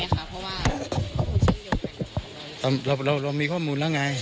เพราะว่าข้อมูลเชื่อมโยงกันเราเราเรามีข้อมูลแล้วไง